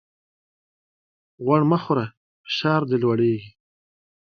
غوړ مه خوره ! فشار دي لوړېږي.